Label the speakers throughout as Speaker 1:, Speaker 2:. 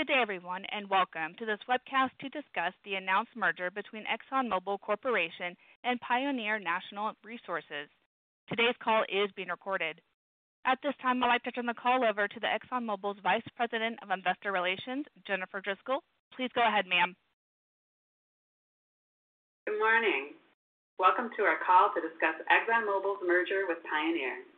Speaker 1: Good day, everyone, and welcome to this webcast to discuss the announced merger between ExxonMobil Corporation and Pioneer Natural Resources. Today's call is being recorded. At this time, I'd like to turn the call over to ExxonMobil's Vice President of Investor Relations, Jennifer Driscoll. Please go ahead, ma'am.
Speaker 2: Good morning. Welcome to our call to discuss ExxonMobil's merger with Pioneer.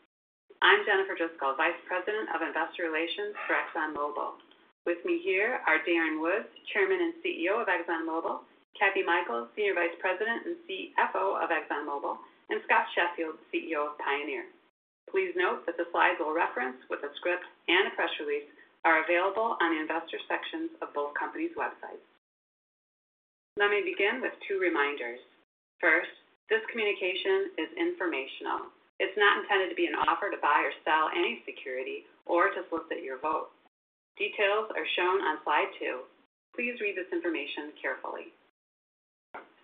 Speaker 2: I'm Jennifer Driscoll, Vice President of Investor Relations for ExxonMobil. With me here are Darren Woods, Chairman and CEO of ExxonMobil, Kathy Mikells, Senior Vice President and CFO of ExxonMobil, and Scott Sheffield, CEO of Pioneer. Please note that the slides we'll reference with the script and a press release are available on the investor sections of both companies' websites. Let me begin with two reminders. First, this communication is informational. It's not intended to be an offer to buy or sell any security or to solicit your vote. Details are shown on slide two. Please read this information carefully.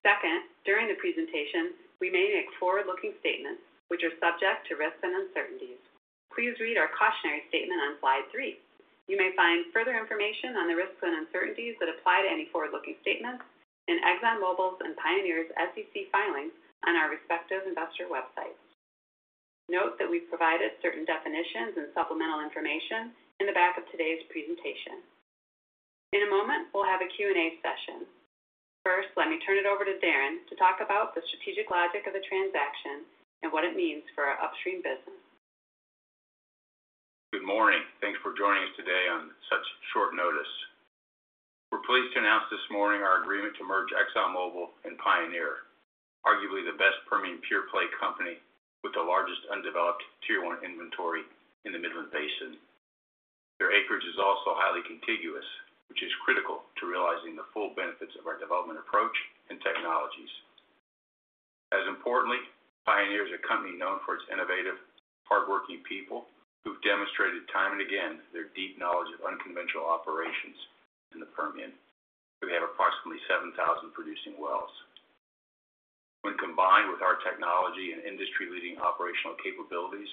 Speaker 2: Second, during the presentation, we may make forward-looking statements, which are subject to risks and uncertainties. Please read our cautionary statement on slide three. You may find further information on the risks and uncertainties that apply to any forward-looking statements in ExxonMobil's and Pioneer's SEC filings on our respective investor websites. Note that we've provided certain definitions and supplemental information in the back of today's presentation. In a moment, we'll have a Q&A session. First, let me turn it over to Darren to talk about the strategic logic of the transaction and what it means for our upstream business.
Speaker 3: Good morning. Thanks for joining us today on such short notice. We're pleased to announce this morning our agreement to merge ExxonMobil and Pioneer, arguably the best Permian pure-play company with the largest undeveloped tier one inventory in the Midland Basin. Their acreage is also highly contiguous, which is critical to realizing the full benefits of our development approach and technologies. As importantly, Pioneer is a company known for its innovative, hardworking people who've demonstrated time and again their deep knowledge of unconventional operations in the Permian, where they have approximately 7,000 producing wells. When combined with our technology and industry-leading operational capabilities,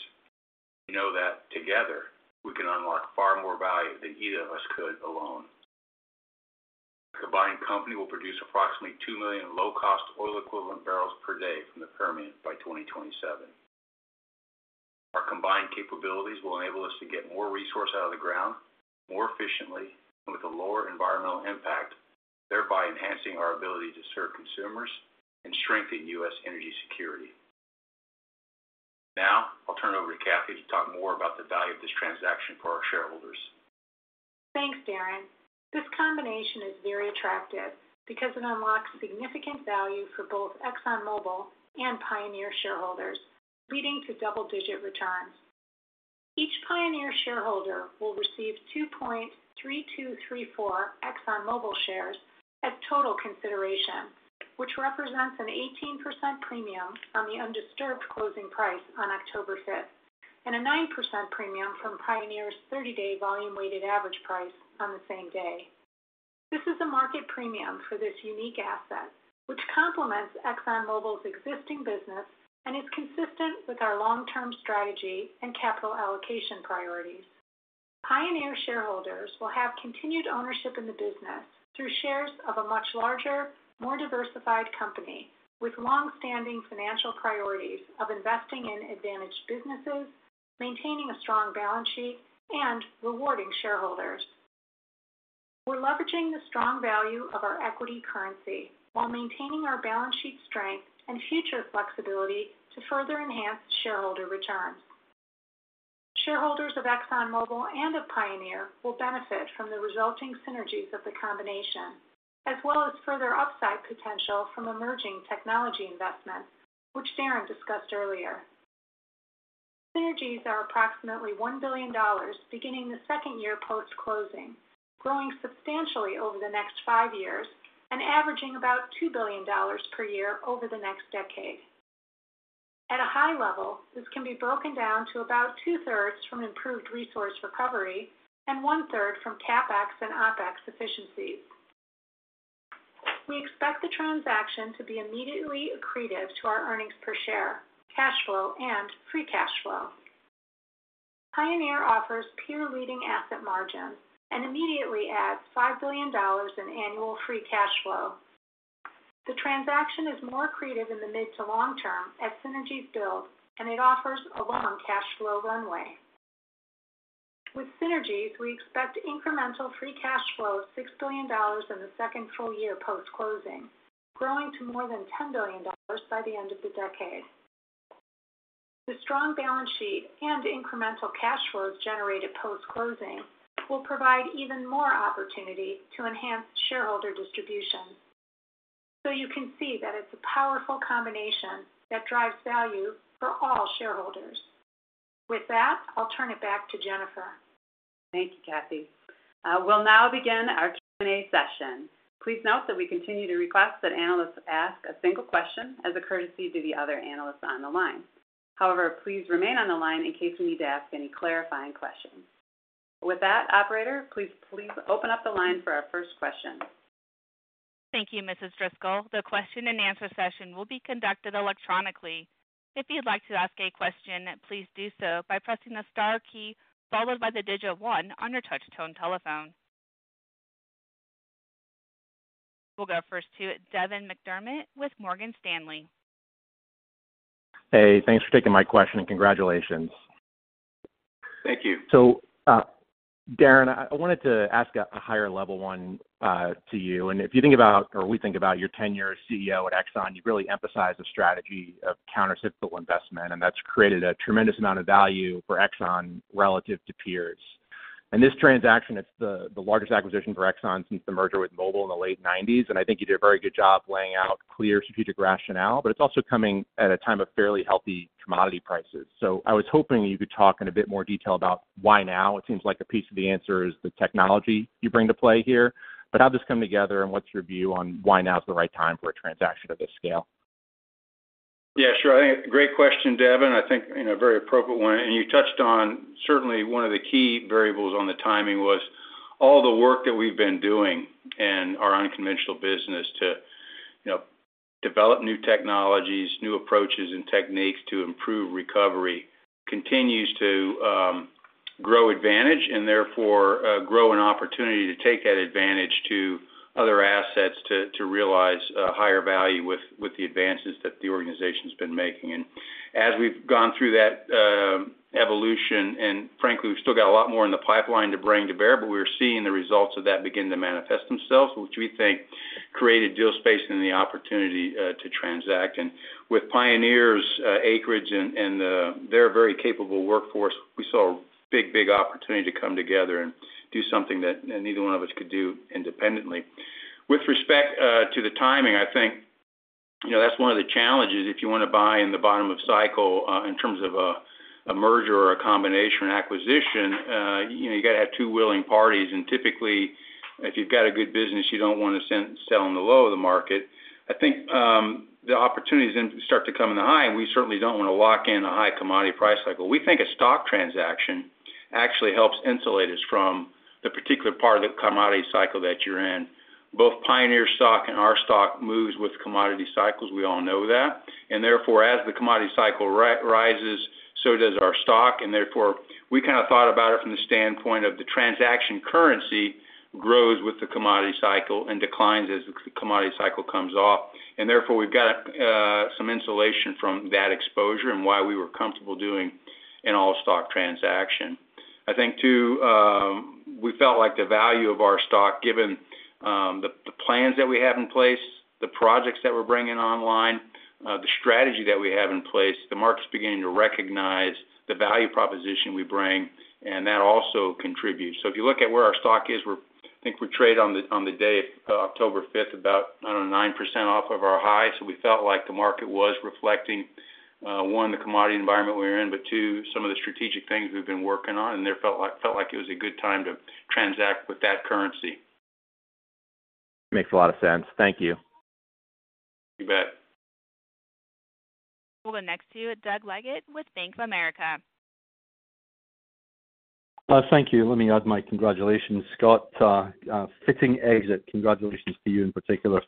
Speaker 3: we know that together, we can unlock far more value than either of us could alone. The combined company will produce approximately 2 million low-cost oil equivalent barrels per day from the Permian by 2027. Our combined capabilities will enable us to get more resource out of the ground, more efficiently and with a lower environmental impact, thereby enhancing our ability to serve consumers and strengthen U.S. energy security. Now, I'll turn it over to Kathy to talk more about the value of this transaction for our shareholders.
Speaker 4: Thanks, Darren. This combination is very attractive because it unlocks significant value for both ExxonMobil and Pioneer shareholders, leading to double-digit returns. Each Pioneer shareholder will receive 2.3234 ExxonMobil shares as total consideration, which represents an 18% premium on the undisturbed closing price on October 5, and a 9% premium from Pioneer's 30-day volume-weighted average price on the same day. This is a market premium for this unique asset, which complements ExxonMobil's existing business and is consistent with our long-term strategy and capital allocation priorities. Pioneer shareholders will have continued ownership in the business through shares of a much larger, more diversified company with long-standing financial priorities of investing in advantaged businesses, maintaining a strong balance sheet, and rewarding shareholders. We're leveraging the strong value of our equity currency while maintaining our balance sheet strength and future flexibility to further enhance shareholder returns. Shareholders of ExxonMobil and of Pioneer will benefit from the resulting synergies of the combination, as well as further upside potential from emerging technology investments, which Darren discussed earlier. Synergies are approximately $1 billion beginning the second year post-closing, growing substantially over the next five years and averaging about $2 billion per year over the next decade. At a high level, this can be broken down to about two-thirds from improved resource recovery and one-third from CapEx and OpEx efficiencies. We expect the transaction to be immediately accretive to our earnings per share, cash flow, and free cash flow. Pioneer offers peer-leading asset margins and immediately adds $5 billion in annual free cash flow. The transaction is more accretive in the mid to long term as synergies build, and it offers a long cash flow runway. With synergies, we expect incremental free cash flow of $6 billion in the second full-year post-closing, growing to more than $10 billion by the end of the decade. The strong balance sheet and incremental cash flows generated post-closing will provide even more opportunity to enhance shareholder distribution. So you can see that it's a powerful combination that drives value for all shareholders. With that, I'll turn it back to Jennifer.
Speaker 2: Thank you, Kathy. We'll now begin our Q&A session. Please note that we continue to request that analysts ask a single question as a courtesy to the other analysts on the line. However, please remain on the line in case we need to ask any clarifying questions. With that, operator, please open up the line for our first question.
Speaker 1: Thank you, Mrs. Driscoll. The question-and-answer session will be conducted electronically. If you'd like to ask a question, please do so by pressing the star key, followed by the digit one on your touch-tone telephone. We'll go first to Devin McDermott with Morgan Stanley.
Speaker 5: Hey, thanks for taking my question, and congratulations.
Speaker 3: Thank you.
Speaker 5: So, Darren, I wanted to ask a higher level one to you. And if you think about or we think about your tenure as CEO at Exxon, you really emphasize the strategy of countercyclical investment, and that's created a tremendous amount of value for Exxon relative to peers. And this transaction is the largest acquisition for Exxon since the merger with Mobil in the late 1990s, and I think you did a very good job laying out clear strategic rationale, but it's also coming at a time of fairly healthy commodity prices. So I was hoping you could talk in a bit more detail about why now? It seems like a piece of the answer is the technology you bring to play here. How did this come together, and what's your view on why now is the right time for a transaction of this scale?
Speaker 3: Yeah, sure. I think great question, Devon. I think, you know, very appropriate one, and you touched on certainly one of the key variables on the timing was all the work that we've been doing in our unconventional business to, you know, develop new technologies, new approaches and techniques to improve recovery continues to, you know, grow advantage and therefore, you know, grow an opportunity to take that advantage to other assets, to realize, you know, higher value with the advances that the organization's been making. As we've gone through that evolution, and frankly, we've still got a lot more in the pipeline to bring to bear, we're seeing the results of that begin to manifest themselves, which we think created deal space and the opportunity to transact. And with Pioneer's acreage and their very capable workforce, we saw a big, big opportunity to come together and do something that neither one of us could do independently. With respect to the timing, I think, you know, that's one of the challenges. If you want to buy in the bottom of cycle, in terms of a merger or a combination or acquisition, you know, you got to have two willing parties, and typically, if you've got a good business, you don't want to sell on the low of the market. I think, the opportunities then start to come in the high, and we certainly don't want to lock in a high commodity price cycle. We think a stock transaction actually helps insulate us from the particular part of the commodity cycle that you're in. Both Pioneer stock and our stock moves with commodity cycles. We all know that. And therefore, as the commodity cycle rises, so does our stock, and therefore, we kind of thought about it from the standpoint of the transaction currency grows with the commodity cycle and declines as the commodity cycle comes off. And therefore, we've got some insulation from that exposure and why we were comfortable doing an all-stock transaction. I think, too, we felt like the value of our stock, given the plans that we have in place, the projects that we're bringing online, the strategy that we have in place, the market's beginning to recognize the value proposition we bring, and that also contributes. So if you look at where our stock is, we're I think we trade on the, on the day, October fifth, about, I don't know, 9% off of our high. So we felt like the market was reflecting, one, the commodity environment we're in, but two, some of the strategic things we've been working on, and there felt like, felt like it was a good time to transact with that currency.
Speaker 5: Makes a lot of sense. Thank you.
Speaker 3: You bet.
Speaker 1: We'll go next to Doug Leggate with Bank of America.
Speaker 6: Thank you. Let me add my congratulations, Scott. Fitting exit. Congratulations to you in particular.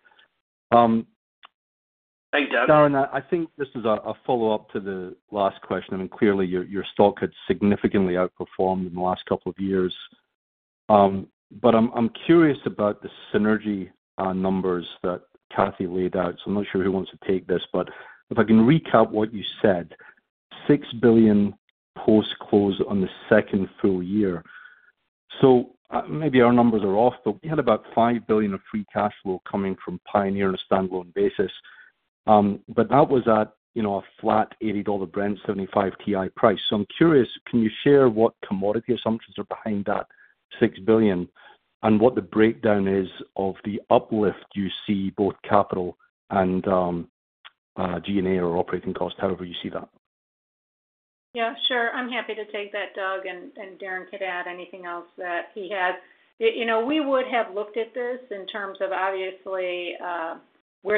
Speaker 3: Thanks, Doug.
Speaker 6: Darren, I think this is a follow-up to the last question, and clearly, your stock had significantly outperformed in the last couple of years. But I'm curious about the synergy numbers that Kathy laid out. So I'm not sure who wants to take this, but if I can recap what you said, $6 billion post-close on the second full-year. So maybe our numbers are off, but we had about $5 billion of free cash flow coming from Pioneer on a standalone basis. But that was at, you know, a flat $80 Brent, $75 WTI price. So I'm curious, can you share what commodity assumptions are behind that $6 billion and what the breakdown is of the uplift you see, both capital and G&A or operating costs, however you see that?
Speaker 4: Yeah, sure. I'm happy to take that, Doug, and Darren could add anything else that he has. You know, we would have looked at this in terms of obviously where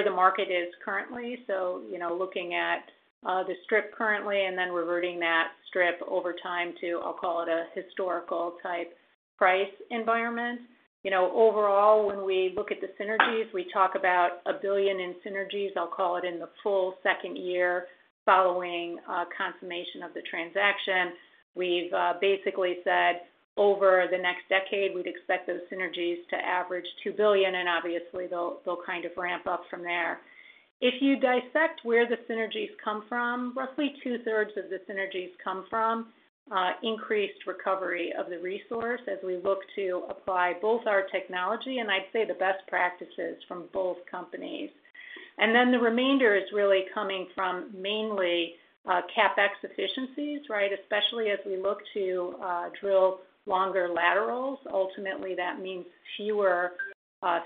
Speaker 4: the market is currently. So, you know, looking at the strip currently and then reverting that strip over time to, I'll call it, a historical type price environment. You know, overall, when we look at the synergies, we talk about $1 billion in synergies. I'll call it in the full second year following consummation of the transaction. We've basically said over the next decade, we'd expect those synergies to average $2 billion, and obviously, they'll kind of ramp up from there. If you dissect where the synergies come from, roughly 2/3 of the synergies come from increased recovery of the resource as we look to apply both our technology and I'd say the best practices from both companies. And then the remainder is really coming from mainly CapEx efficiencies, right? Especially as we look to drill longer laterals. Ultimately, that means fewer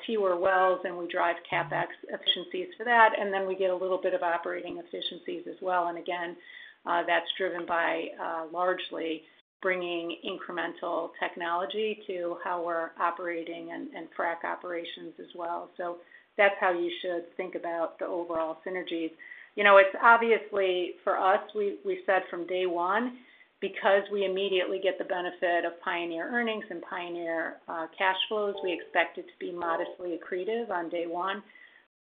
Speaker 4: fewer wells, and we drive CapEx efficiencies for that, and then we get a little bit of operating efficiencies as well. And again, that's driven by largely bringing incremental technology to how we're operating and frack operations as well. So that's how you should think about the overall synergies. You know, it's obviously for us, we said from day one, because we immediately get the benefit of Pioneer earnings and Pioneer cash flows, we expect it to be modestly accretive on day one.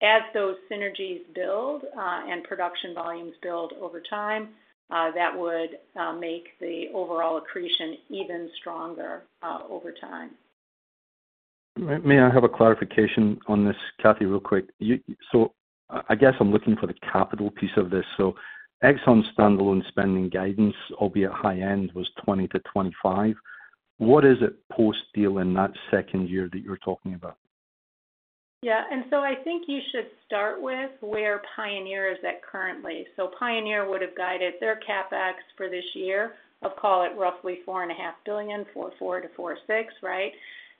Speaker 4: As those synergies build and production volumes build over time, that would make the overall accretion even stronger over time.
Speaker 6: May I have a clarification on this, Kathy, real quick? You, I guess I'm looking for the capital piece of this. Exxon standalone spending guidance, albeit high end, was $20 billion-$25 billion. What is it post-deal in that second year that you're talking about?
Speaker 4: Yeah, and so I think you should start with where Pioneer is at currently. So Pioneer would have guided their CapEx for this year, I'll call it roughly $4.5 billion, $4 billion-$4.6 billion, right?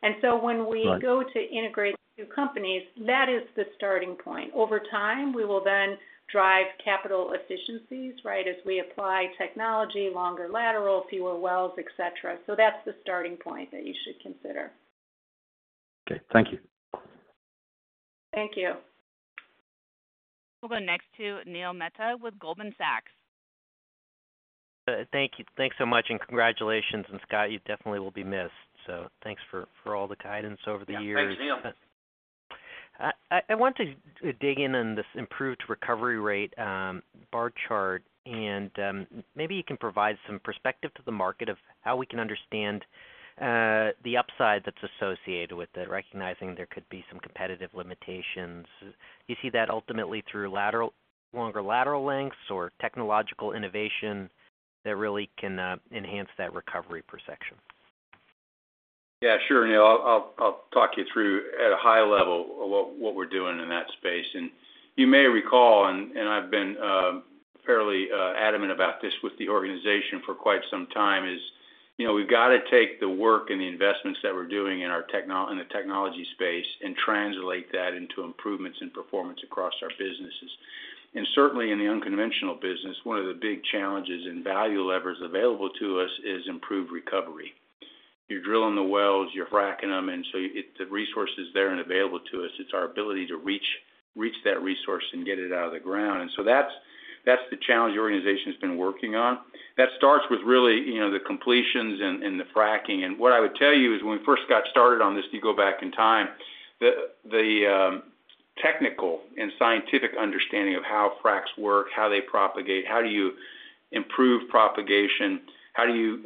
Speaker 4: And so when we go to integrate the two companies, that is the starting point. Over time, we will then drive capital efficiencies, right? As we apply technology, longer lateral, fewer wells, et cetera. So that's the starting point that you should consider.
Speaker 6: Okay, thank you.
Speaker 4: Thank you.
Speaker 1: We'll go next to Neil Mehta with Goldman Sachs.
Speaker 7: Thank you. Thanks so much, and congratulations. And Scott, you definitely will be missed. So thanks for all the guidance over the years.
Speaker 3: Thanks, Neil.
Speaker 7: I want to dig in on this improved recovery rate bar chart, and maybe you can provide some perspective to the market of how we can understand the upside that's associated with it, recognizing there could be some competitive limitations. You see that ultimately through lateral, longer lateral lengths or technological innovation that really can enhance that recovery per section.
Speaker 3: Yeah, sure, Neil. I'll talk you through at a high level about what we're doing in that space. And you may recall, and I've been fairly adamant about this with the organization for quite some time, is, you know, we've got to take the work and the investments that we're doing in the technology space and translate that into improvements in performance across our businesses. And certainly in the unconventional business, one of the big challenges and value levers available to us is improved recovery. You're drilling the wells, you're fracking them, and so it, the resource is there and available to us. It's our ability to reach that resource and get it out of the ground. And so that's the challenge the organization has been working on. That starts with really, you know, the completions and the fracking. And what I would tell you is when we first got started on this, you go back in time, the technical and scientific understanding of how fracs work, how they propagate, how do you improve propagation, how do you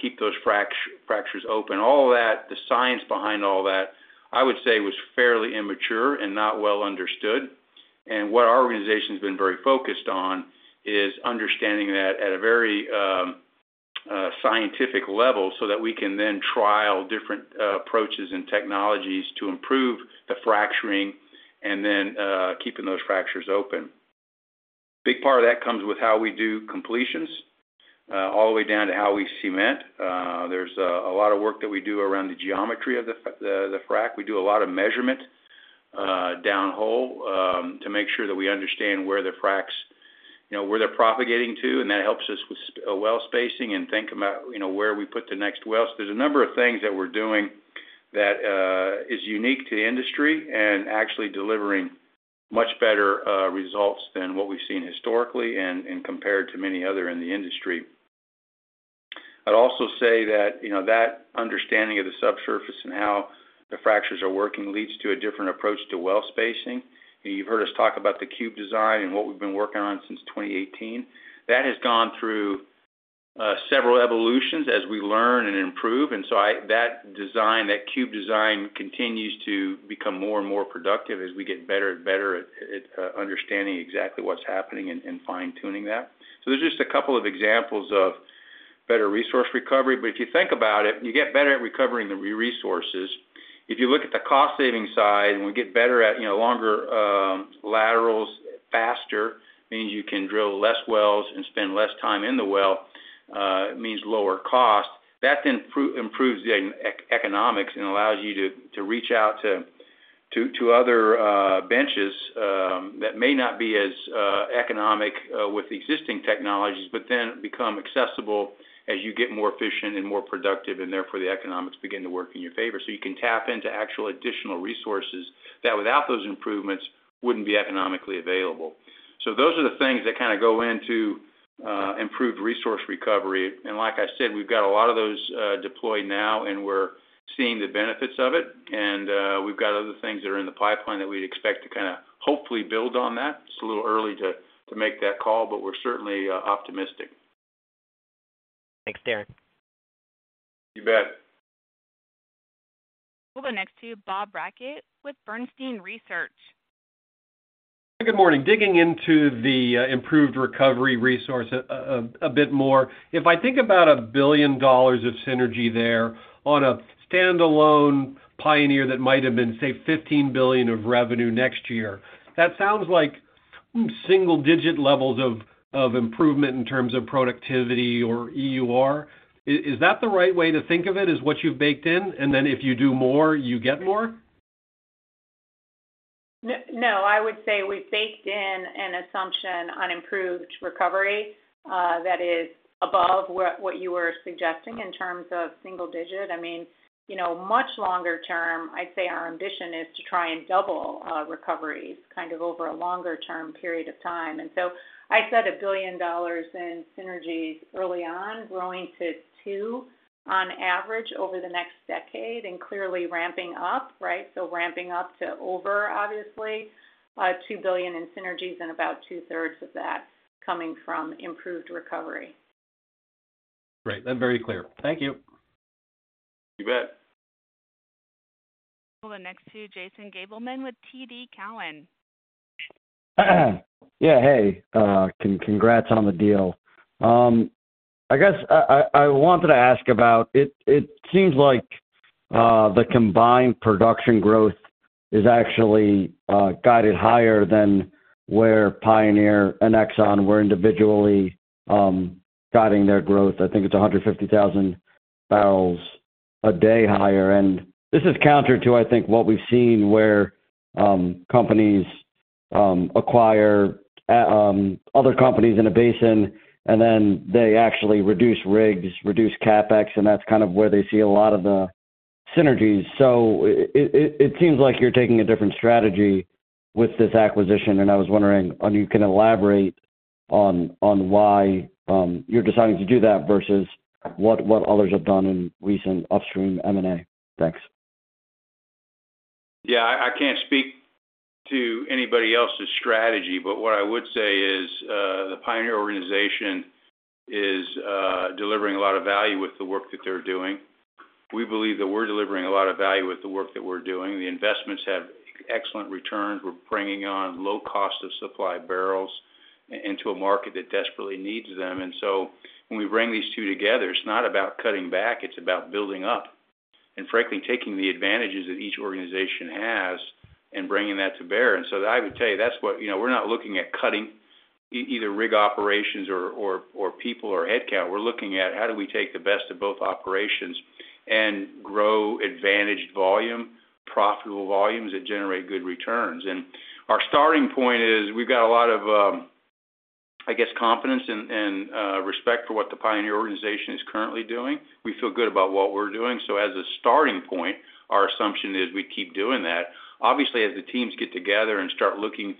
Speaker 3: keep those fractures open? All of that, the science behind all that, I would say was fairly immature and not well understood. And what our organization has been very focused on is understanding that at a very scientific level, so that we can then trial different approaches and technologies to improve the fracturing and then keeping those fractures open. Big part of that comes with how we do completions, all the way down to how we cement. There's a lot of work that we do around the geometry of the frac. We do a lot of measurement, downhole, to make sure that we understand where the fracs, you know, where they're propagating to, and that helps us with well spacing and think about, you know, where we put the next wells. There's a number of things that we're doing that is unique to the industry and actually delivering much better results than what we've seen historically and compared to many other in the industry. I'd also say that, you know, that understanding of the subsurface and how the fractures are working leads to a different approach to well spacing. You've heard us talk about the Cube design and what we've been working on since 2018. That has gone through several evolutions as we learn and improve, and so that design, that Cube design, continues to become more and more productive as we get better and better at understanding exactly what's happening and fine-tuning that. So there's just a couple of examples of better resource recovery, but if you think about it, you get better at recovering the resources. If you look at the cost-saving side, and we get better at, you know, longer laterals, faster, means you can drill less wells and spend less time in the well, means lower cost. That then improves the economics and allows you to reach out to other benches that may not be as economic with the existing technologies, but then become accessible as you get more efficient and more productive, and therefore, the economics begin to work in your favor. So you can tap into actual additional resources that, without those improvements, wouldn't be economically available. So those are the things that kind of go into improved resource recovery. And like I said, we've got a lot of those deployed now, and we're seeing the benefits of it. And we've got other things that are in the pipeline that we expect to kind of hopefully build on that. It's a little early to make that call, but we're certainly optimistic.
Speaker 7: Thanks, Darren.
Speaker 3: You bet.
Speaker 1: We'll go next to Bob Brackett with Bernstein Research.
Speaker 8: Good morning. Digging into the, improved recovery resource, a bit more. If I think about $1 billion of synergy there on a standalone Pioneer, that might have been, say, $15 billion of revenue next year, that sounds like single-digit levels of, improvement in terms of productivity or EUR. Is, that the right way to think of it, is what you've baked in, and then if you do more, you get more?
Speaker 4: No, I would say we've baked in an assumption on improved recovery that is above what you were suggesting in terms of single digit. I mean, you know, much longer term, I'd say our ambition is to try and double recovery, kind of over a longer term period of time. And so I said $1 billion in synergies early on, growing to two on average over the next decade, and clearly ramping up, right? So ramping up to over, obviously, $2 billion in synergies and about two-thirds of that coming from improved recovery.
Speaker 8: Great. That's very clear. Thank you.
Speaker 3: You bet.
Speaker 1: We'll go next to Jason Gabelman with TD Cowen.
Speaker 9: Yeah, hey, congrats on the deal. I guess I wanted to ask about, it seems like the combined production growth is actually guided higher than where Pioneer and Exxon were individually guiding their growth. I think it's 150,000 barrels a day higher, and this is counter to, I think, what we've seen where companies acquire other companies in a basin, and then they actually reduce rigs, reduce CapEx, and that's kind of where they see a lot of the synergies. So it seems like you're taking a different strategy with this acquisition, and I was wondering, you can elaborate on why you're deciding to do that versus what others have done in recent upstream M&A? Thanks.
Speaker 3: Yeah. I, I can't speak to anybody else's strategy, but what I would say is, the Pioneer organization is delivering a lot of value with the work that they're doing. We believe that we're delivering a lot of value with the work that we're doing. The investments have excellent returns. We're bringing on low cost of supply barrels into a market that desperately needs them. And so when we bring these two together, it's not about cutting back, it's about building up, and frankly, taking the advantages that each organization has and bringing that to bear. And so I would tell you, that's what—you know, we're not looking at cutting either rig operations or, or, or people or headcount. We're looking at how do we take the best of both operations and grow advantaged volume, profitable volumes that generate good returns. Our starting point is, we've got a lot of, I guess, confidence and, and, I guess, respect for what the Pioneer organization is currently doing. We feel good about what we're doing. As a starting point, our assumption is we keep doing that. Obviously, as the teams get together and start looking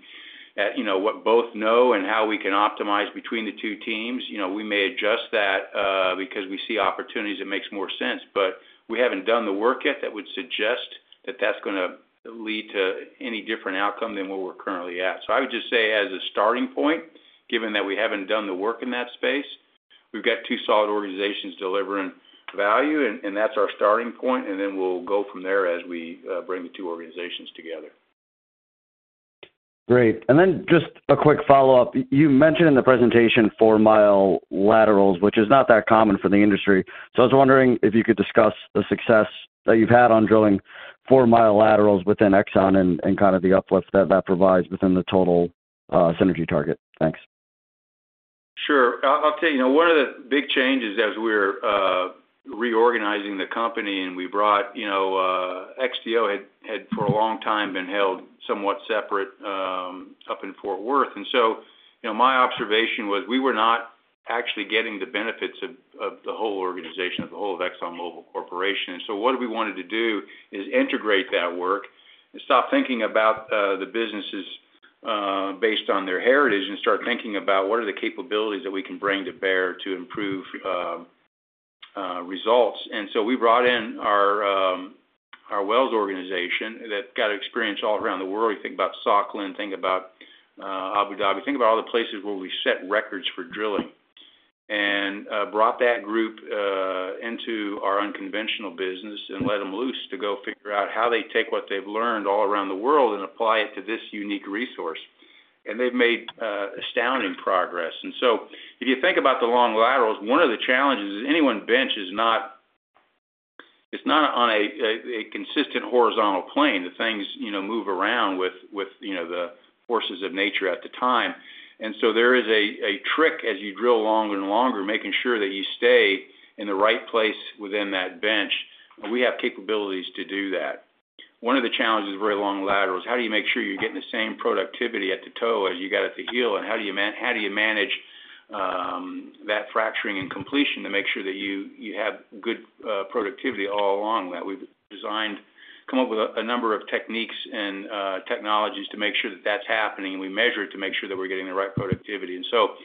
Speaker 3: at, you know, what both know and how we can optimize between the two teams, you know, we may adjust that, because we see opportunities that make more sense. But we haven't done the work yet that would suggest that that's gonna lead to any different outcome than where we're currently at. So I would just say, as a starting point, given that we haven't done the work in that space, we've got two solid organizations delivering value, and that's our starting point, and then we'll go from there as we bring the two organizations together.
Speaker 9: Great. And then just a quick follow-up. You mentioned in the presentation four-mile laterals, which is not that common for the industry. So I was wondering if you could discuss the success that you've had on drilling four-mile laterals within Exxon and, and kind of the uplift that that provides within the total, synergy target. Thanks.
Speaker 3: Sure. I'll tell you, now, one of the big changes as we're reorganizing the company and we brought, you know, XTO had for a long time been held somewhat separate, up in Fort Worth. And so, you know, my observation was we were not actually getting the benefits of the whole organization, of the whole of ExxonMobil Corporation. And so what we wanted to do is integrate that work and stop thinking about the businesses based on their heritage, and start thinking about what are the capabilities that we can bring to bear to improve results. And so we brought in our wells organization that got experience all around the world. We think about Sakhalin, think about Abu Dhabi, think about all the places where we set records for drilling, and brought that group into our unconventional business and let them loose to go figure out how they take what they've learned all around the world and apply it to this unique resource. And they've made astounding progress. And so if you think about the long laterals, one of the challenges is any bench is not, it's not on a consistent horizontal plane. The things, you know, move around with you know, the forces of nature at the time. And so there is a trick as you drill longer and longer, making sure that you stay in the right place within that bench. We have capabilities to do that. One of the challenges of very long laterals, how do you make sure you're getting the same productivity at the toe as you got at the heel? And how do you manage that fracturing and completion to make sure that you have good productivity all along that? We've come up with a number of techniques and technologies to make sure that that's happening, and we measure it to make sure that we're getting the right productivity. And so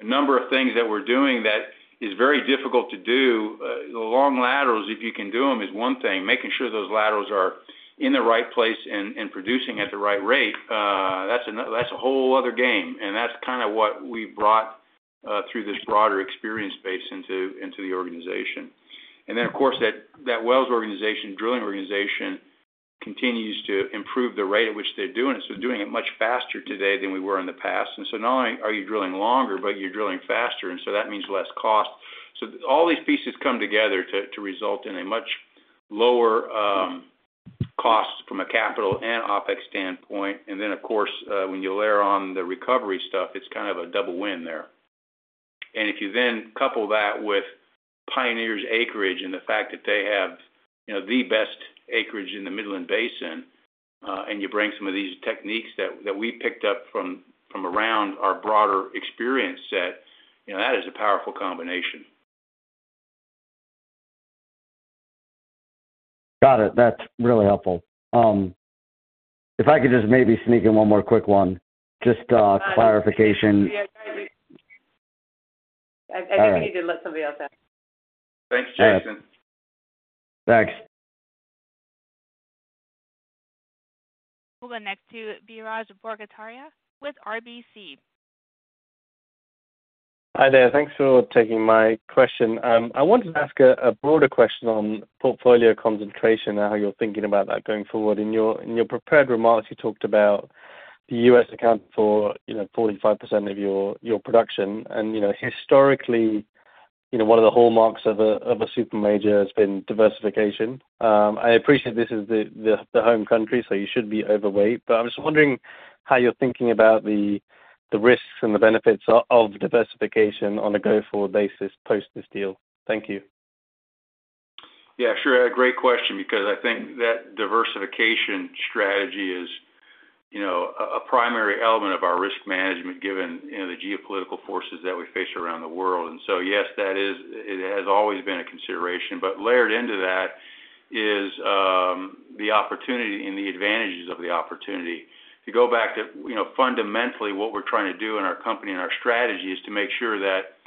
Speaker 3: a number of things that we're doing that is very difficult to do, the long laterals, if you can do them, is one thing. Making sure those laterals are in the right place and producing at the right rate, that's a whole other game, and that's kind of what we brought through this broader experience base into the organization. And then, of course, that wells organization, drilling organization, continues to improve the rate at which they're doing it. So doing it much faster today than we were in the past. And so not only are you drilling longer, but you're drilling faster, and so that means less cost. So all these pieces come together to result in a much lower cost from a capital and OpEx standpoint. And then, of course, when you layer on the recovery stuff, it's kind of a double win there. And if you then couple that with Pioneer's acreage and the fact that they have, you know, the best acreage in the Midland Basin, and you bring some of these techniques that we picked up from around our broader experience set, you know, that is a powerful combination.
Speaker 9: Got it. That's really helpful. If I could just maybe sneak in one more quick one, just clarification.
Speaker 4: I think we need to let somebody else in.
Speaker 3: Thanks, Jason.
Speaker 9: Thanks.
Speaker 1: We'll go next to Biraj Borkhataria with RBC.
Speaker 10: Hi there. Thanks for taking my question. I wanted to ask a broader question on portfolio concentration and how you're thinking about that going forward. In your prepared remarks, you talked about the U.S. accounting for, you know, 45% of your production. And, you know, historically, you know, one of the hallmarks of a super major has been diversification. I appreciate this is the home country, so you should be overweight. But I was just wondering how you're thinking about the risks and the benefits of diversification on a go-forward basis post this deal. Thank you.
Speaker 3: Yeah, sure. A great question, because I think that diversification strategy is, you know, a primary element of our risk management, given, you know, the geopolitical forces that we face around the world. And so, yes, that is, it has always been a consideration, but layered into that is the opportunity and the advantages of the opportunity. To go back to, you know, fundamentally, what we're trying to do in our company and our strategy is to make sure that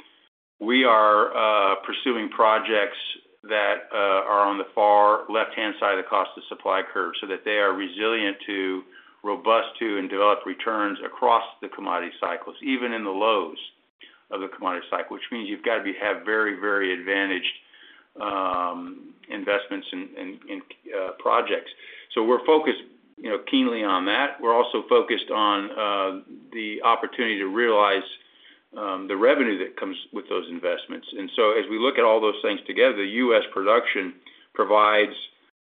Speaker 3: we are pursuing projects that are on the far left-hand side of the cost of supply curve, so that they are resilient to, robust to, and develop returns across the commodity cycles, even in the lows of the commodity cycle, which means you've got to be, have very, very advantaged investments in projects. So we're focused, you know, keenly on that. We're also focused on the opportunity to realize the revenue that comes with those investments. And so as we look at all those things together, U.S. production provides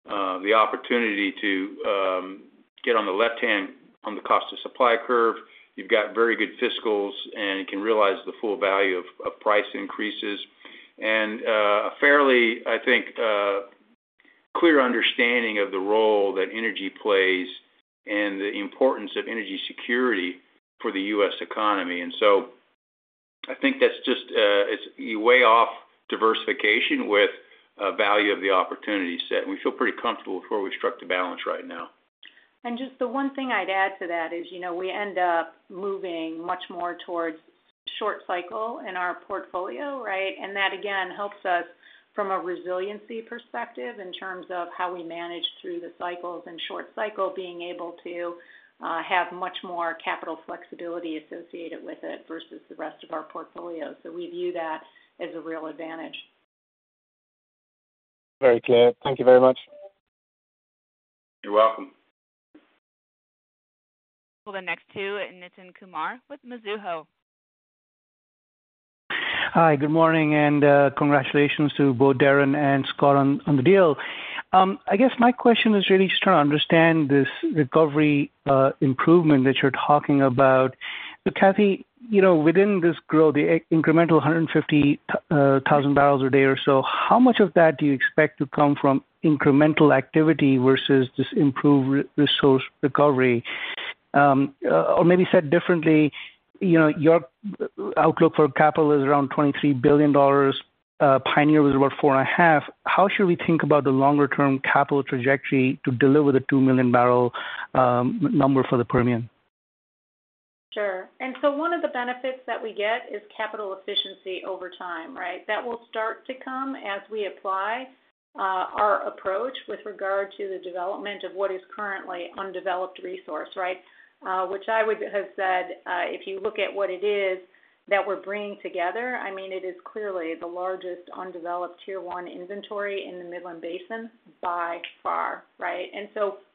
Speaker 3: the opportunity to get on the left-hand on the cost of supply curve. You've got very good fiscals, and you can realize the full value of of price increases. And fairly, I think, clear understanding of the role that energy plays and the importance of energy security for the U.S. economy. And so I think that's just it's you weigh off diversification with value of the opportunity set, and we feel pretty comfortable with where we struck the balance right now.
Speaker 4: Just the one thing I'd add to that is, you know, we end up moving much more towards short cycle in our portfolio, right? And that again, helps us from a resiliency perspective in terms of how we manage through the cycles and short cycle, being able to have much more capital flexibility associated with it versus the rest of our portfolio. So we view that as a real advantage.
Speaker 10: Very clear. Thank you very much.
Speaker 3: You're welcome.
Speaker 1: We'll go next to Nitin Kumar with Mizuho.
Speaker 11: Hi, good morning, and congratulations to both Darren and Scott on the deal. I guess my question is really just trying to understand this recovery improvement that you're talking about. So Kathy, you know, within this growth, the incremental 150,000 barrels a day or so, how much of that do you expect to come from incremental activity versus this improved resource recovery? Or maybe said differently, you know, your outlook for capital is around $23 billion. Pioneer was about $4.5 billion. How should we think about the longer-term capital trajectory to deliver the 2 million barrel number for the premium?
Speaker 4: Sure. One of the benefits that we get is capital efficiency over time, right? That will start to come as we apply our approach with regard to the development of what is currently undeveloped resource, right? I would have said, if you look at what it is that we're bringing together, I mean, it is clearly the largest undeveloped tier one inventory in the Midland Basin by far, right?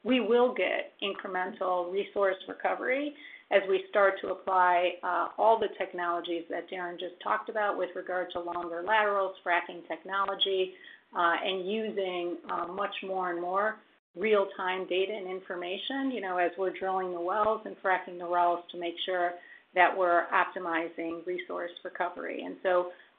Speaker 4: We will get incremental resource recovery as we start to apply all the technologies that Darren just talked about with regard to longer laterals, fracking technology, and using much more and more real-time data and information, you know, as we're drilling the wells and fracking the wells, to make sure that we're optimizing resource recovery.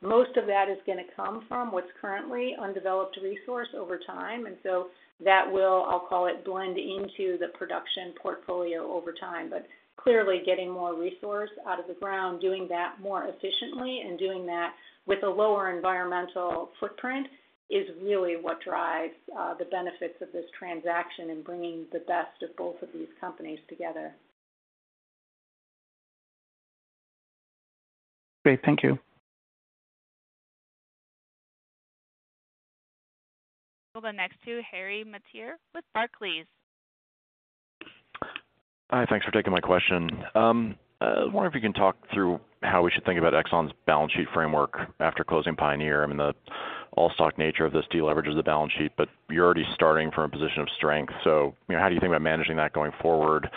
Speaker 4: Most of that is gonna come from what's currently undeveloped resource over time. And so that will, I'll call it, blend into the production portfolio over time. But clearly, getting more resource out of the ground, doing that more efficiently and doing that with a lower environmental footprint, is really what drives the benefits of this transaction and bringing the best of both of these companies together.
Speaker 11: Great. Thank you.
Speaker 1: We'll go next to Harry Mateer with Barclays.
Speaker 12: Hi, thanks for taking my question. I wonder if you can talk through how we should think about Exxon's balance sheet framework after closing Pioneer. I mean, the all stock nature of this deleverages the balance sheet, but you're already starting from a position of strength. So how do you think about managing that going forward?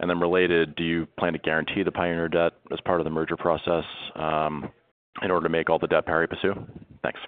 Speaker 12: And then related, do you plan to guarantee the Pioneer debt as part of the merger process, in order to make all the debt pari passu? Thanks.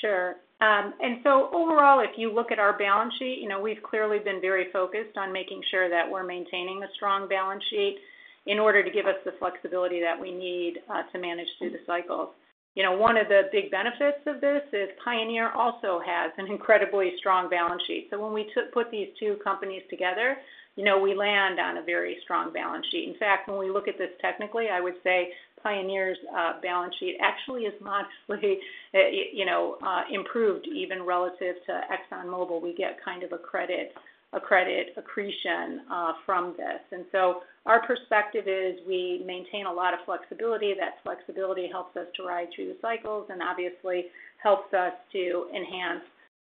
Speaker 4: Sure. And so overall, if you look at our balance sheet, you know, we've clearly been very focused on making sure that we're maintaining a strong balance sheet in order to give us the flexibility that we need to manage through the cycles. You know, one of the big benefits of this is Pioneer also has an incredibly strong balance sheet. So when we put these two companies together, you know, we land on a very strong balance sheet. In fact, when we look at this technically, I would say Pioneer's balance sheet actually is modestly, you know, improved, even relative to ExxonMobil. We get kind of a credit, a credit accretion, from this. And so our perspective is we maintain a lot of flexibility. That flexibility helps us to ride through the cycles and obviously helps us to enhance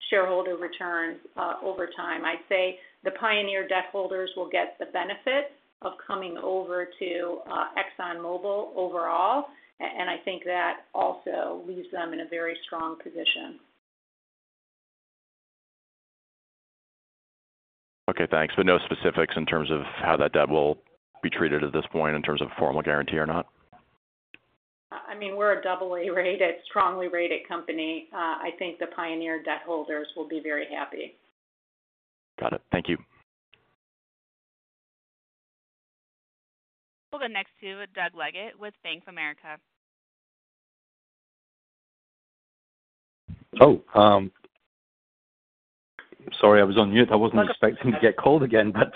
Speaker 4: shareholder returns, over time. I'd say the Pioneer debt holders will get the benefit of coming over to ExxonMobil overall, and I think that also leaves them in a very strong position.
Speaker 12: Okay, thanks. But no specifics in terms of how that debt will be treated at this point in terms of a formal guarantee or not?
Speaker 4: I mean, we're a AA-rated, strongly rated company. I think the Pioneer debt holders will be very happy.
Speaker 12: Got it. Thank you.
Speaker 1: We'll go next to Doug Leggate with Bank of America.
Speaker 6: Oh, sorry, I was on mute. I wasn't expecting to get called again, but,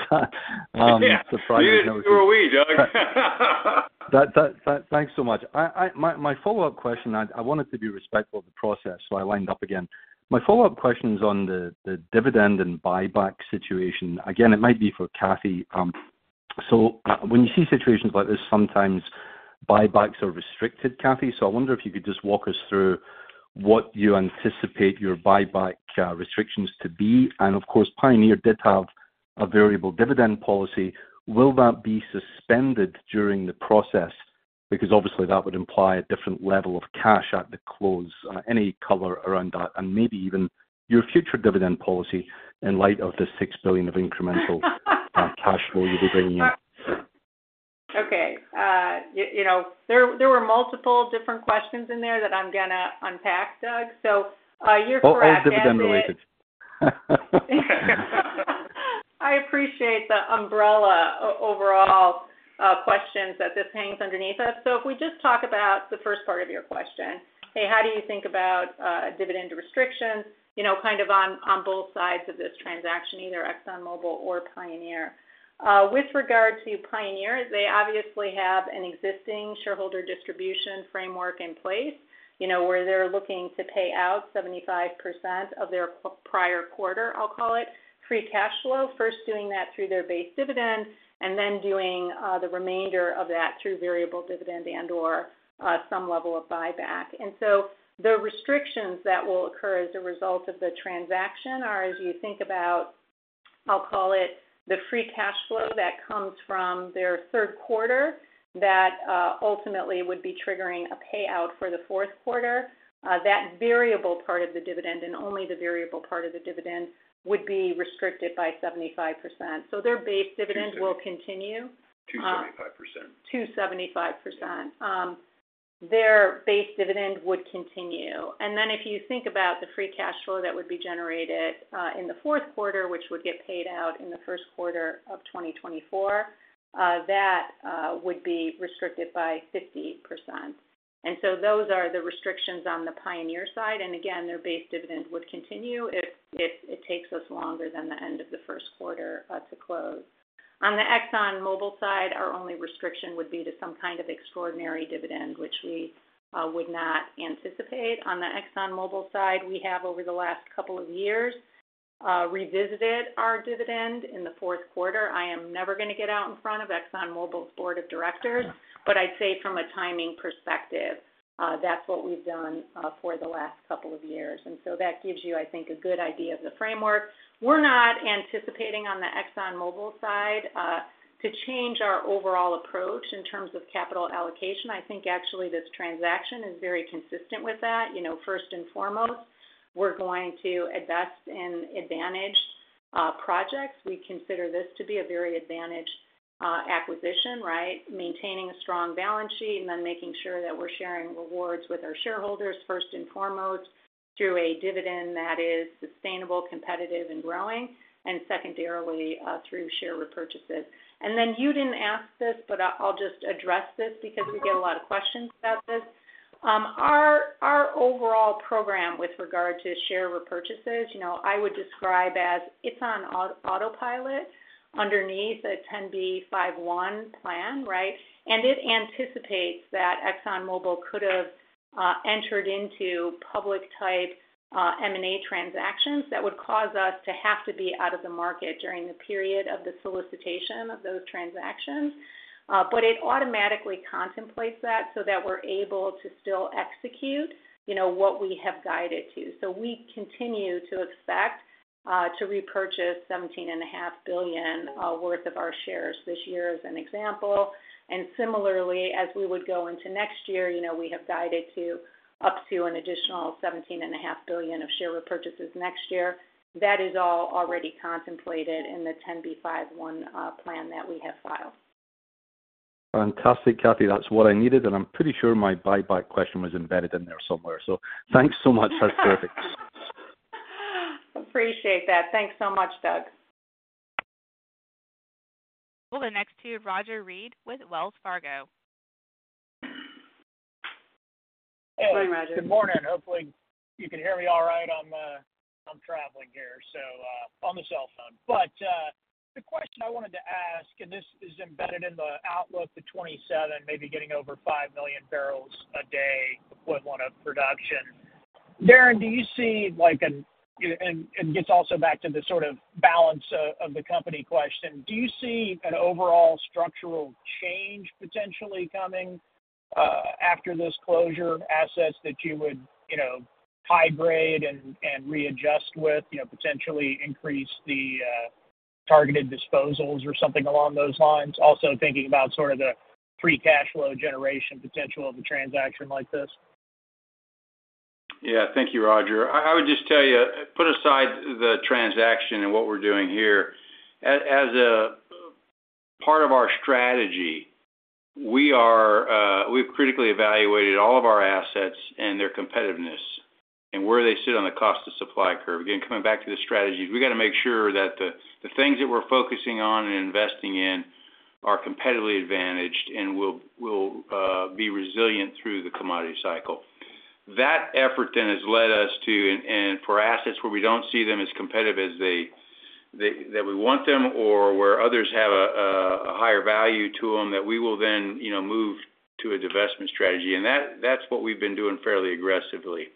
Speaker 6: surprising-
Speaker 13: Neither were we, Doug.
Speaker 6: That, thanks so much. I, I, my, my follow-up question, I, I wanted to be respectful of the process, so I lined up again. My follow-up question is on the, the dividend and buyback situation. Again, it might be for Kathy. When you see situations like this, sometimes buybacks are restricted, Kathy, so I wonder if you could just walk us through what you anticipate your buyback restrictions to be. Of course, Pioneer did have a variable dividend policy. Will that be suspended during the process? Because obviously, that would imply a different level of cash at the close. Any color around that, and maybe even your future dividend policy in light of the $6 billion of incremental cash flow you'll be bringing in.
Speaker 4: Okay. You know, there, there were multiple different questions in there that I'm gonna unpack, Doug. So, you're correct.
Speaker 6: All dividend-related.
Speaker 4: I appreciate the umbrella overall, you know, questions that this hangs underneath us. If we just talk about the first part of your question, hey, how do you think about, you know, dividend restrictions, you know, kind of on both sides of this transaction, either ExxonMobil or Pioneer? With regard to Pioneer, they obviously have an existing shareholder distribution framework in place, you know, where they're looking to pay out 75% of their prior quarter, I'll call it, free cash flow. First, doing that through their base dividend, and then doing, you know, the remainder of that through variable dividend and/or some level of buyback. And so the restrictions that will occur as a result of the transaction are, as you think about, I'll call it, the free cash flow that comes from their third quarter, that, ultimately would be triggering a payout for the fourth quarter. That variable part of the dividend, and only the variable part of the dividend, would be restricted by 75%. So their base dividend will continue.
Speaker 6: 275%.
Speaker 4: 275%. Their base dividend would continue. And then if you think about the free cash flow that would be generated in the fourth quarter, which would get paid out in the first quarter of 2024, that would be restricted by 50%. And so those are the restrictions on the Pioneer side, and again, their base dividend would continue if it takes us longer than the end of the first quarter to close. On the ExxonMobil side, our only restriction would be to some kind of extraordinary dividend, which we would not anticipate. On the ExxonMobil side, we have, over the last couple of years, revisited our dividend in the fourth quarter. I am never gonna get out in front of ExxonMobil's board of directors, but I'd say from a timing perspective, that's what we've done, for the last couple of years. And so that gives you, I think, a good idea of the framework. We're not anticipating on the ExxonMobil side, to change our overall approach in terms of capital allocation. I think actually this transaction is very consistent with that. You know, first and foremost, we're going to invest in advantaged, projects. We consider this to be a very advantaged, acquisition, right? Maintaining a strong balance sheet and then making sure that we're sharing rewards with our shareholders, first and foremost, through a dividend that is sustainable, competitive, and growing, and secondarily, through share repurchases. And then you didn't ask this, but I'll just address this because we get a lot of questions about this. Our overall program with regard to share repurchases, you know, I would describe as it's on autopilot underneath a 10b5-1 plan, right? And it anticipates that ExxonMobil could have entered into public type M&A transactions that would cause us to have to be out of the market during the period of the solicitation of those transactions. But it automatically contemplates that, so that we're able to still execute, you know, what we have guided to. So we continue to expect to repurchase $17.5 billion worth of our shares this year, as an example. Similarly, as we would go into next year, you know, we have guided to up to an additional $17.5 billion of share repurchases next year. That is all already contemplated in the 10b5-1 plan that we have filed.
Speaker 6: Fantastic, Kathy. That's what I needed, and I'm pretty sure my buyback question was embedded in there somewhere, so thanks so much. That's perfect.
Speaker 4: Appreciate that. Thanks so much, Doug.
Speaker 1: We'll go next to Roger Read with Wells Fargo.
Speaker 14: Hey.
Speaker 4: Good morning, Roger.
Speaker 14: Good morning. Hopefully, you can hear me all right. I'm traveling here, so on the cell phone. The question I wanted to ask, and this is embedded in the outlook, the 2027, maybe getting over 5 million barrels a day equivalent of production. Darren, do you see like an, it gets also back to the sort of balance of the company question: Do you see an overall structural change potentially coming after this closure of assets that you would, you know, high grade and readjust with, you know, potentially increase the targeted disposals or something along those lines? Also thinking about sort of the free cash flow generation potential of a transaction like this.
Speaker 3: Yeah. Thank you, Roger. I would just tell you, put aside the transaction and what we're doing here. As a part of our strategy, we are, we've critically evaluated all of our assets and their competitiveness and where they sit on the cost of supply curve. Again, coming back to the strategy, we've got to make sure that the things that we're focusing on and investing in are competitively advantaged, and will be resilient through the commodity cycle. That effort then has led us to, for assets where we don't see them as competitive as we want them, or where others have a higher value to them, that we will then, you know, move to a divestment strategy. That's what we've been doing fairly aggressively.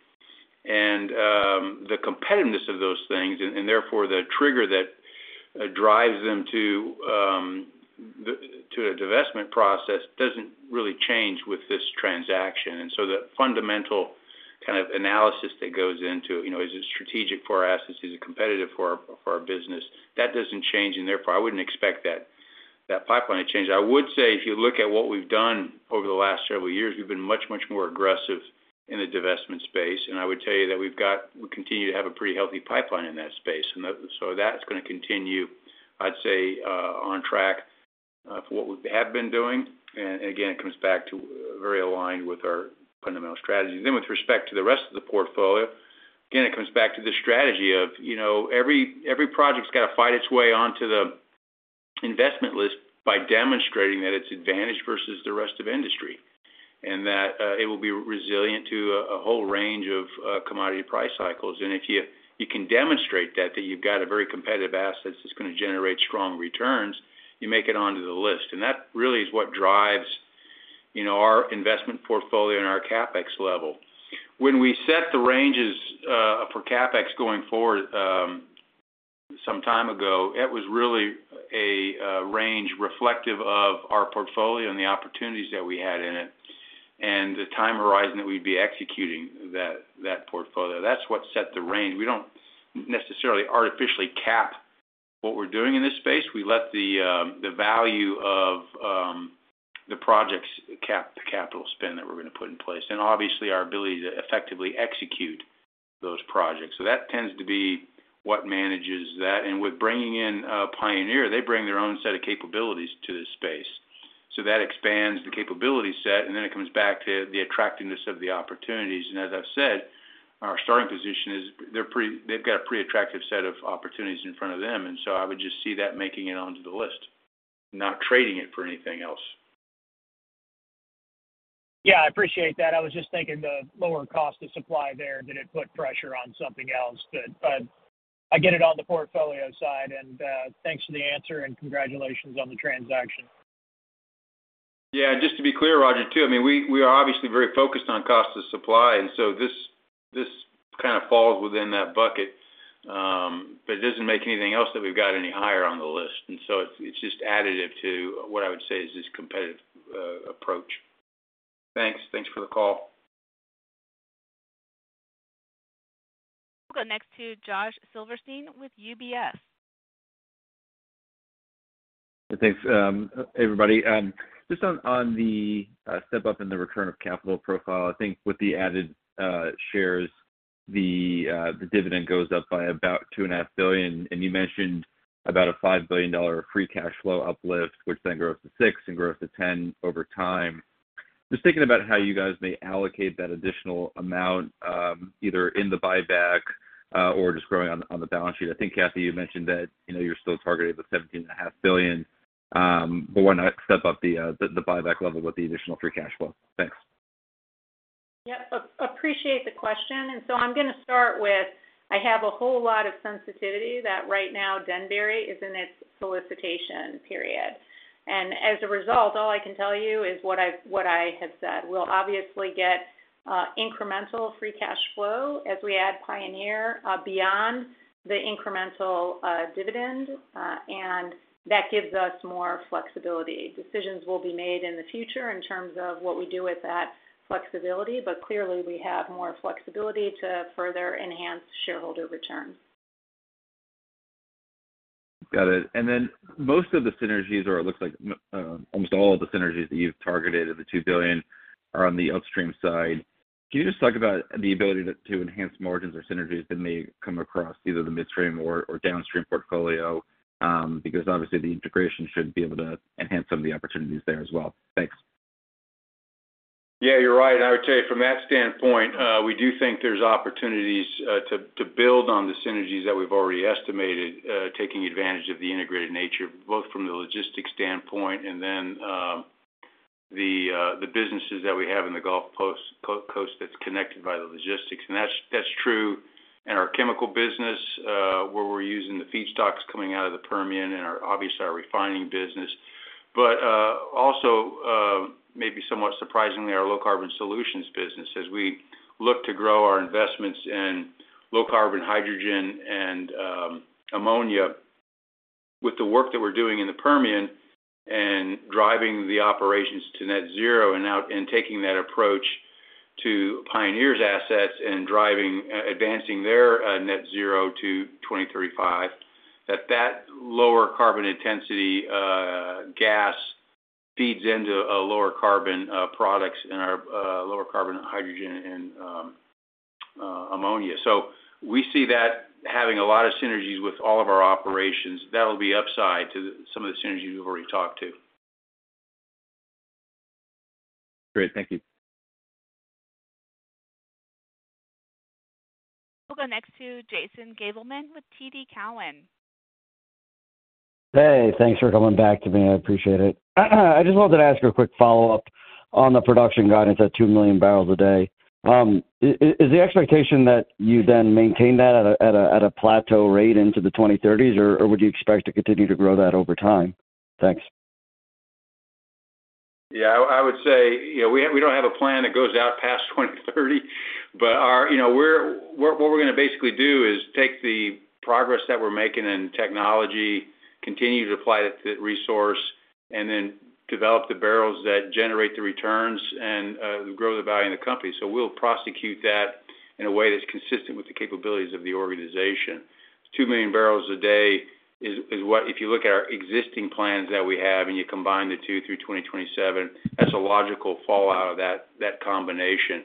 Speaker 3: The competitiveness of those things, and therefore, the trigger that drives them to a divestment process doesn't really change with this transaction. So the fundamental kind of analysis that goes into, you know, is it strategic for our assets? Is it competitive for our business? That doesn't change, and therefore, I wouldn't expect that pipeline to change. I would say, if you look at what we've done over the last several years, we've been much, much more aggressive in the divestment space. And I would tell you that we continue to have a pretty healthy pipeline in that space, and that so that's gonna continue, I'd say, on track for what we have been doing. And again, it comes back to very aligned with our fundamental strategy. Then, with respect to the rest of the portfolio, again, it comes back to the strategy of, you know, every project's got to fight its way onto the investment list by demonstrating that it's advantaged versus the rest of industry, and that it will be resilient to a whole range of commodity price cycles. And if you can demonstrate that you've got a very competitive asset that's gonna generate strong returns, you make it onto the list. And that really is what drives, you know, our investment portfolio and our CapEx level. When we set the ranges for CapEx going forward, some time ago, it was really a range reflective of our portfolio and the opportunities that we had in it, and the time horizon that we'd be executing that portfolio. That's what set the range. We don't necessarily artificially cap what we're doing in this space. We let the value of the projects cap the capital spend that we're going to put in place, and obviously, our ability to effectively execute those projects. That tends to be what manages that. With bringing in Pioneer, they bring their own set of capabilities to this space. That expands the capability set, and then it comes back to the attractiveness of the opportunities. As I've said, our starting position is they're pretty, they've got a pretty attractive set of opportunities in front of them, and I would just see that making it onto the list, not trading it for anything else.
Speaker 14: Yeah, I appreciate that. I was just thinking the lower cost of supply there, did it put pressure on something else? But, but I get it on the portfolio side, and, thanks for the answer, and congratulations on the transaction.
Speaker 3: Yeah, just to be clear, Roger, too, I mean, we are obviously very focused on cost of supply, and so this kind of falls within that bucket. But it doesn't make anything else that we've got any higher on the list, and so it's just additive to what I would say is this competitive approach. Thanks. Thanks for the call.
Speaker 1: We'll go next to Josh Silverstein with UBS.
Speaker 13: Thanks, everybody. Just on the step up in the return of capital profile, I think with the added shares, the dividend goes up by about $2.5 billion, and you mentioned about a $5 billion free cash flow uplift, which then grows to $6 billion and grows to $10 billion over time. Just thinking about how you guys may allocate that additional amount, either in the buyback or just growing on the balance sheet. I think, Kathy, you mentioned that, you know, you're still targeting the $17.5 billion, but why not step up the buyback level with the additional free cash flow? Thanks.
Speaker 4: Yep, appreciate the question. And so I'm gonna start with, I have a whole lot of sensitivity that right now Denbury is in its solicitation period. And as a result, all I can tell you is what I've said. We'll obviously get incremental free cash flow as we add Pioneer beyond the incremental dividend, and that gives us more flexibility. Decisions will be made in the future in terms of what we do with that flexibility, but clearly, we have more flexibility to further enhance shareholder returns.
Speaker 13: Got it. And then most of the synergies, or it looks like, almost all of the synergies that you've targeted of the $2 billion are on the upstream side. Can you just talk about the ability to enhance margins or synergies that may come across either the midstream or downstream portfolio? Because obviously, the integration should be able to enhance some of the opportunities there as well. Thanks.
Speaker 3: Yeah, you're right. I would tell you from that standpoint, we do think there's opportunities to build on the synergies that we've already estimated, taking advantage of the integrated nature, both from the logistics standpoint and then, the businesses that we have in the Gulf Coast that's connected by the logistics. That's true in our chemical business, where we're using the feedstocks coming out of the Permian and obviously, our refining business. Also, maybe somewhat surprisingly, our Low Carbon Solutions business, as we look to grow our investments in low carbon, hydrogen and ammonia. With the work that we're doing in the Permian and driving the operations to net zero and now, and taking that approach to Pioneer's assets and driving, advancing their net zero to 2035, that lower carbon intensity gas feeds into a lower carbon products and our lower carbon hydrogen and ammonia. So we see that having a lot of synergies with all of our operations, that'll be upside to some of the synergies we've already talked to.
Speaker 4: Great. Thank you.
Speaker 1: We'll go next to Jason Gabelman with TD Cowen.
Speaker 9: Hey, thanks for coming back to me. I appreciate it. I just wanted to ask a quick follow-up on the production guidance at 2 million barrels a day. Is the expectation that you then maintain that at a plateau rate into the 2030s, or would you expect to continue to grow that over time? Thanks.
Speaker 3: Yeah, I would say, you know, we, we don't have a plan that goes out past 2030, but our, you know, we're, what we're gonna basically do is take the progress that we're making in technology, continue to apply it to the resource, and then develop the barrels that generate the returns and grow the value in the company. So we'll prosecute that in a way that's consistent with the capabilities of the organization. 2 million barrels a day is what, if you look at our existing plans that we have, and you combine the two through 2027, that's a logical fallout of that combination.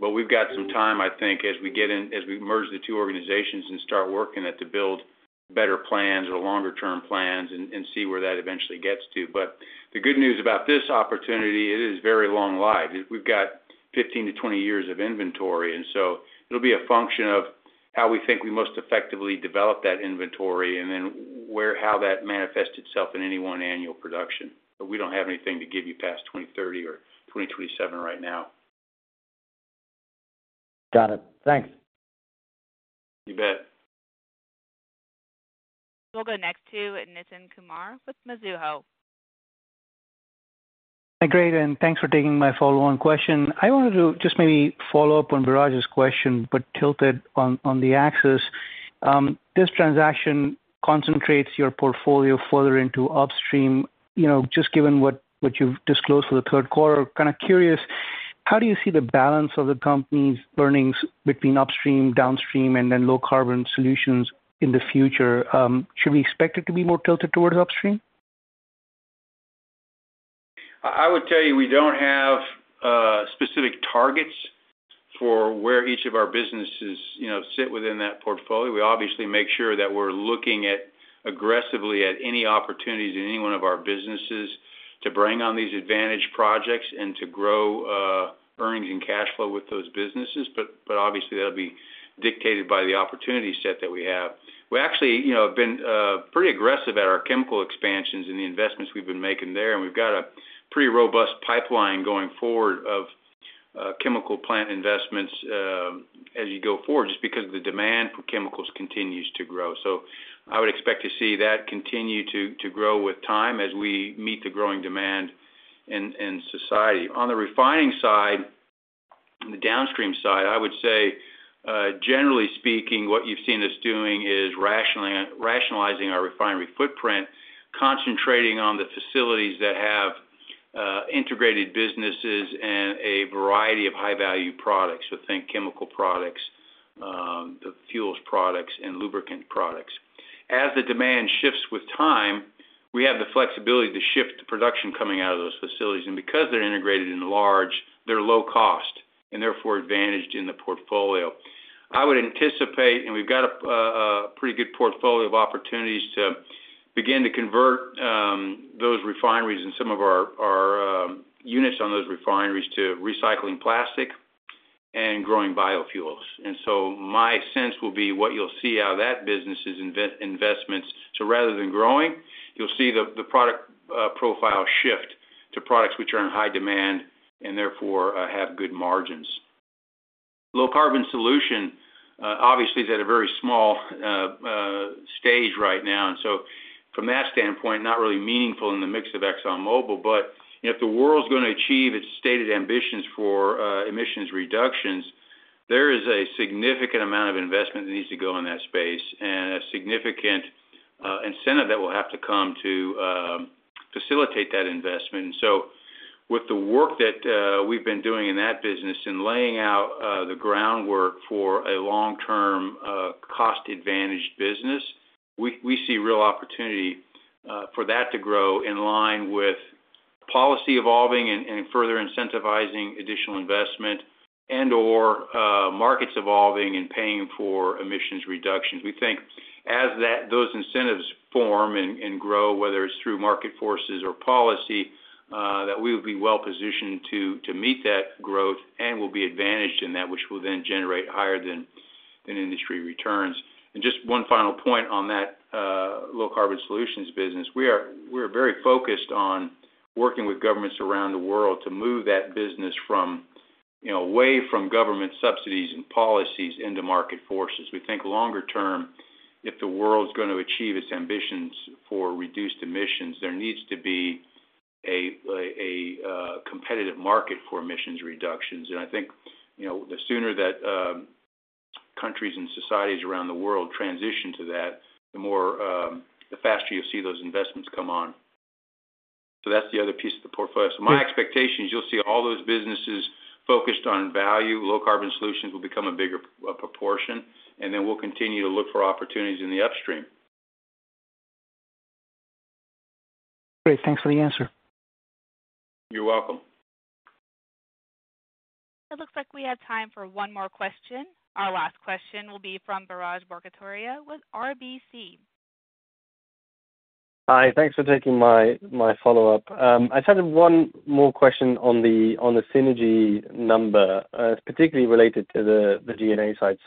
Speaker 3: But we've got some time, I think, as we get in, as we merge the two organizations and start working it to build better plans or longer-term plans and see where that eventually gets to. But the good news about this opportunity, it is very long-lived. We've got 15-20 years of inventory, and so it'll be a function of how we think we most effectively develop that inventory and then where, how that manifests itself in any one annual production. But we don't have anything to give you past 2030 or 2027 right now.
Speaker 9: Got it. Thanks.
Speaker 3: You bet.
Speaker 1: We'll go next to Nitin Kumar with Mizuho.
Speaker 11: Great, and thanks for taking my follow-on question. I wanted to just maybe follow up on Biraj's question, but tilted on, on the axis. This transaction concentrates your portfolio further into upstream. You know, just given what, what you've disclosed for the third quarter, kind of curious, how do you see the balance of the company's earnings between upstream, downstream, and then low carbon solutions in the future? Should we expect it to be more tilted towards upstream?
Speaker 3: I would tell you, we don't have specific targets for where each of our businesses, you know, sit within that portfolio. We obviously make sure that we're looking at aggressively at any opportunities in any one of our businesses to bring on these advantage projects and to grow earnings and cash flow with those businesses. But obviously, that'll be dictated by the opportunity set that we have. We actually, you know, have been pretty aggressive at our chemical expansions and the investments we've been making there, and we've got a pretty robust pipeline going forward of chemical plant investments as you go forward, just because the demand for chemicals continues to grow. So I would expect to see that continue to grow with time as we meet the growing demand in society. On the refining side, on the downstream side, I would say, generally speaking, what you've seen us doing is rationalizing our refinery footprint, concentrating on the facilities that have integrated businesses and a variety of high-value products. So think chemical products, the fuels products and lubricant products. As the demand shifts with time, we have the flexibility to shift the production coming out of those facilities, and because they're integrated and large, they're low cost and therefore advantaged in the portfolio. I would anticipate, and we've got a pretty good portfolio of opportunities to begin to convert those refineries and some of our units on those refineries to recycling plastic and growing biofuels. And so my sense will be what you'll see out of that business is investments. Rather than growing, you'll see the product profile shift to products which are in high demand and therefore have good margins. Low carbon solution is at a very small stage right now, and from that standpoint, not really meaningful in the mix of ExxonMobil. If the world's gonna achieve its stated ambitions for emissions reductions, there is a significant amount of investment that needs to go in that space and a significant incentive that will have to come to facilitate that investment. With the work that we've been doing in that business in laying out the groundwork for a long-term cost-advantaged business, we see real opportunity for that to grow in line with policy evolving and further incentivizing additional investment and/or markets evolving and paying for emissions reductions. We think as those incentives form and grow, whether it's through market forces or policy, that we would be well-positioned to meet that growth and will be advantaged in that, which will then generate higher than industry returns. And just one final point on that, low-carbon solutions business. We're very focused on working with governments around the world to move that business from, you know, away from government subsidies and policies into market forces. We think longer term, if the world's going to achieve its ambitions for reduced emissions, there needs to be a competitive market for emissions reductions. And I think, you know, the sooner that countries and societies around the world transition to that, the more, the faster you'll see those investments come on. So that's the other piece of the portfolio. So my expectation is you'll see all those businesses focused on value. Low carbon solutions will become a bigger proportion, and then we'll continue to look for opportunities in the upstream. Great, thanks for the answer. You're welcome.
Speaker 1: It looks like we have time for one more question. Our last question will be from Biraj Borkhataria with RBC.
Speaker 10: Hi, thanks for taking my follow-up. I just had one more question on the synergy number, particularly related to the G&A side.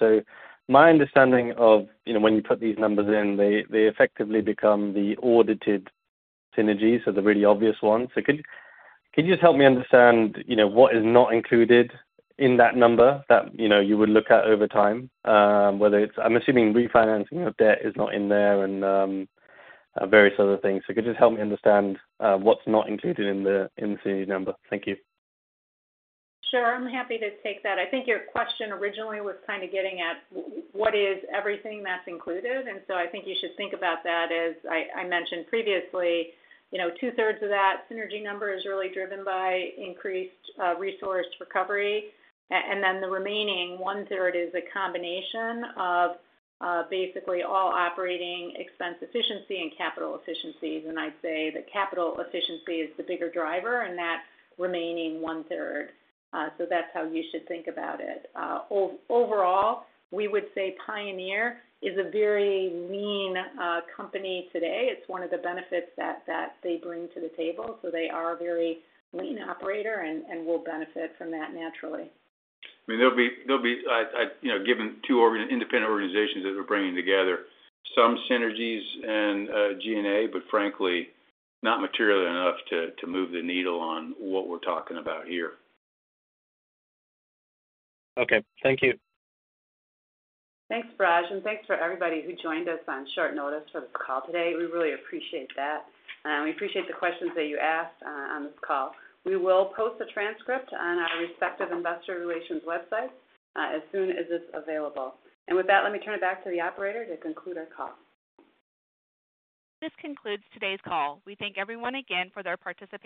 Speaker 10: My understanding of, you know, when you put these numbers in, they effectively become the audited synergies, so the really obvious ones. Could you just help me understand, you know, what is not included in that number that you would look at over time? I'm assuming refinancing of debt is not in there and various other things. Could you just help me understand what's not included in the synergy number? Thank you.
Speaker 4: Sure, I'm happy to take that. I think your question originally was kind of getting at what is everything that's included, and so I think you should think about that. As I mentioned previously, you know, two-thirds of that synergy number is really driven by increased resource recovery. And then the remaining one-third is a combination of basically all operating expense efficiency and capital efficiencies. And I'd say the capital efficiency is the bigger driver, and that's the remaining one-third. So that's how you should think about it. Overall, we would say Pioneer is a very lean company today. It's one of the benefits that they bring to the table. So they are a very lean operator and will benefit from that naturally.
Speaker 3: I mean, there'll be. You know, given two organization-independent organizations that we're bringing together, some synergies and G&A, but frankly, not material enough to move the needle on what we're talking about here.
Speaker 10: Okay, thank you.
Speaker 4: Thanks, Biraj, and thanks for everybody who joined us on short notice for this call today. We really appreciate that, and we appreciate the questions that you asked on this call. We will post a transcript on our respective investor relations website as soon as it's available. With that, let me turn it back to the operator to conclude our call.
Speaker 1: This concludes today's call. We thank everyone again for their participation.